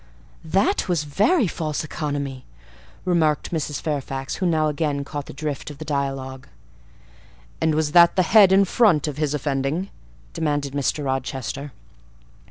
"That was very false economy," remarked Mrs. Fairfax, who now again caught the drift of the dialogue. "And was that the head and front of his offending?" demanded Mr. Rochester.